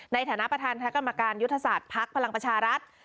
ในฐานะประธานคณะกรรมการยุทธศาสตร์ภักดิ์พลังประชารัฐ